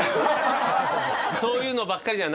そういうのばっかりじゃないです。